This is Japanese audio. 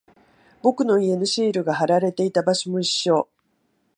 僕の家のシールが貼られていた場所も一緒。